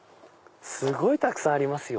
すごいたくさんありますよ。